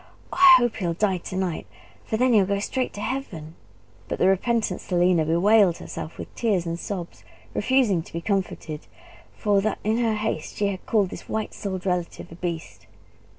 I hope he'll die to night, for then he'll go straight to heaven!" But the repentant Selina bewailed herself with tears and sobs, refusing to be comforted; for that in her haste she had called this white souled relative a beast.